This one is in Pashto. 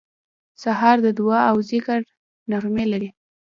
سهار د دعا او ذکر نغمې لري.